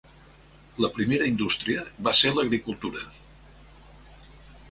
La primera indústria va ser l'agricultura.